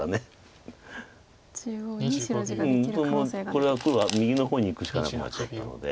これは黒は右の方にいくしかなくなっちゃったので。